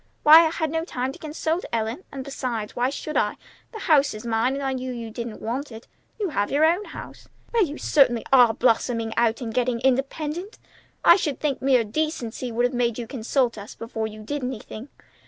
"Why, I had no time to consult you, Ellen; and, besides, why should I? The house is mine, and I knew you didn't want it. You have your own home." "Well, you certainly are blossoming out and getting independent! I should think mere decency would have made you consult us before you did anything.